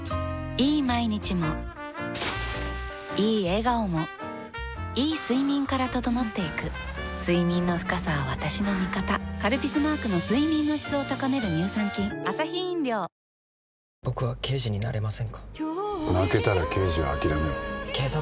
いい毎日もいい笑顔もいい睡眠から整っていく睡眠の深さは私の味方「カルピス」マークの睡眠の質を高める乳酸菌・・遠野入ります。